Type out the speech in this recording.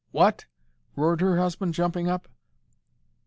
"WHAT?" roared her husband, jumping up.